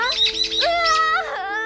うわ！